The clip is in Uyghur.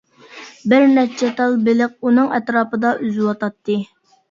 بىر نەچچە تال بېلىق ئۇنىڭ ئەتراپىدا ئۈزۈۋاتاتتى.